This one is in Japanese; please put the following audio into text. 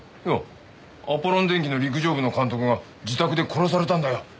いやアポロン電機の陸上部の監督が自宅で殺されたんだよ。